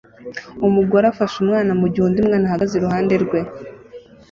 Umugore afashe umwana mugihe undi mwana ahagaze iruhande rwe